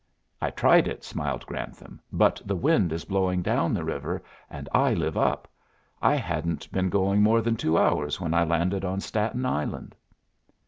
"I tried it," smiled Grantham, "but the wind is blowing down the river, and I live up. I hadn't been going more than two hours when I landed on Staten Island."